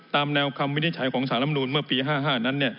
ตามแนวคำวินิจฉัยของสารลำนูนเมื่อปี๕๕นั้น